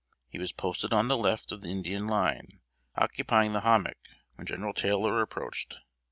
He was posted on the left of the Indian line, occupying the hommock, when General Taylor approached.